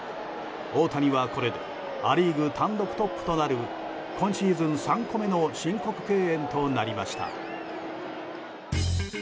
大谷は、これでア・リーグ単独トップとなる今シーズン３個目の申告敬遠となりました。